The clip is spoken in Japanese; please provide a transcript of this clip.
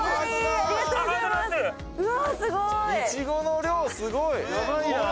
すごーい。